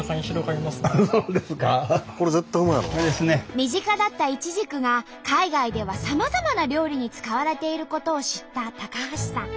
身近だったイチジクが海外ではさまざまな料理に使われていることを知った橋さん。